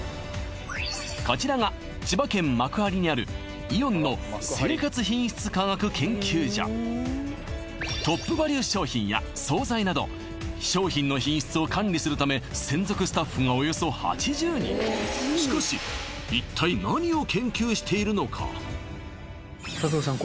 こちらが千葉県幕張にあるイオンの生活品質科学研究所トップバリュ商品や惣菜など商品の品質を管理するため専属スタッフがおよそ８０人しかし一体佐藤さん